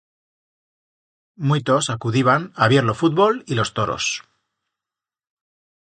Muitos acudiban a vier lo fútbol y los toros.